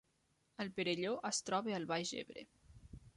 El Perelló es troba al Baix Ebre